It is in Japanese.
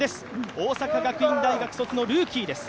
大阪学院大学卒のルーキーです。